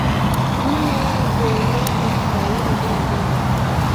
Mume kuondoka hospitalini bila neno